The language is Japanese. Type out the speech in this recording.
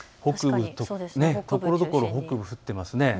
ところどころ北部、降っていますね。